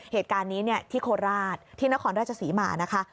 เหตุการณ์นี้ที่โคราชที่นครราชศรีมานะคะ